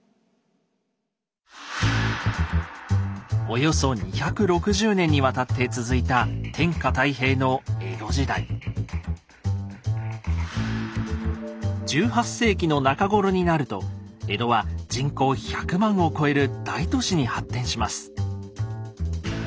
およそ２６０年にわたって続いた１８世紀の中頃になると江戸は人口１００万を超える大都市に発展します。